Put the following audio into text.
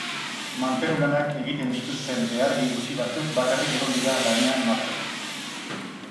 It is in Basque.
Mantenu lanak egiten dituzten behargin gutxi batzuk bakarrik egon dira lanean martxotik.